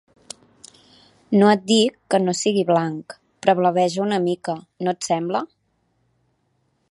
No et dic que no sigui blanc, però blaveja una mica, no et sembla?